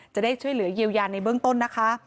จะได้ช่วยเหลือเยียวยาในเบื้องต้นนะคะ